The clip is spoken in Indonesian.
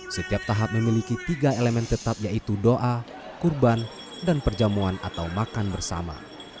setiap tahap memiliki tiga elemen tetap yaitu doa kurban dan perjamuan atau makan bersama